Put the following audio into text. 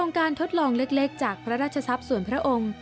การทดลองเล็กจากพระราชทรัพย์ส่วนพระองค์